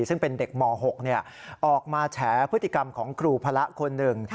ซึ่งเป็นเด็กม๖ออกมาแฉพฤติกรรมของครูพระคนหนึ่ง